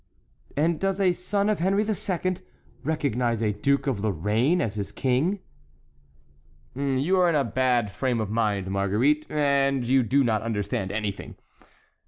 "And does a son of Henry II. recognize a duke of Lorraine as his king?" "You are in a bad frame of mind, Marguerite, and you do not understand anything."